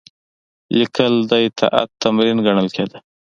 لیکل د اطاعت تمرین ګڼل کېده.